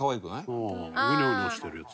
ウニョウニョしてるやつ？